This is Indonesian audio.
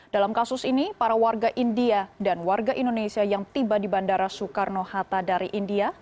dalam kasus ini para warga india dan warga indonesia yang tiba di bandara soekarno hatta dari india